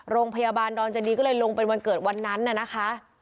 โรงพยาบาลดอนจดีก็เลยลงเป็นวันเกิดวันนั้นน่ะนะคะ